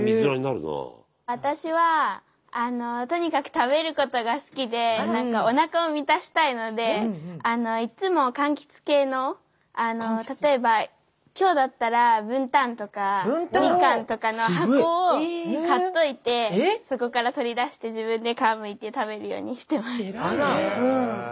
私はとにかく食べることが好きでおなかを満たしたいのでいつもかんきつ系の例えば今日だったらブンタンとかミカンとかの箱を買っといてそこから取り出して自分で皮むいて食べるようにしてます。